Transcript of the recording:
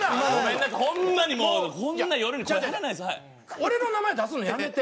俺の名前出すのやめて。